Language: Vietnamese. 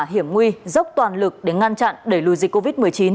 hiểm nguy dốc toàn lực để ngăn chặn đẩy lùi dịch covid một mươi chín